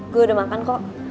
gue udah makan kok